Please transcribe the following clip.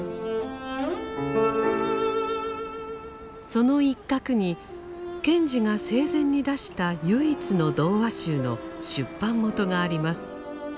その一角に賢治が生前に出した唯一の童話集の出版元があります。